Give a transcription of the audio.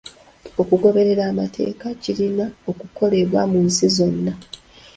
Okugoberera amateeka kirina okukolebwa mu nsi zonna.